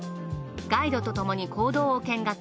ガイドとともに坑道を見学。